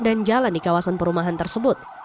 dan jalan di kawasan perumahan tersebut